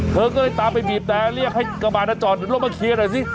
เธอก็เลยตามไปบีบแต่จำเรียกให้กระบาดนาตรอนโดตมาเคลียร์หน่อยสิ